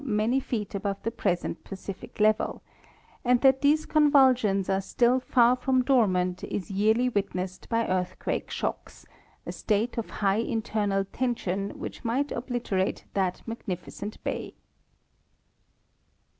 many feet above the present Pacific level; and that these con vulsions are still far from dormant is yearly witnessed by earth quake shocks, a state of high internal tension which might obliterate that magnificent bay.